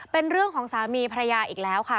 เป็นเรื่องของสามีภรรยาอีกแล้วค่ะ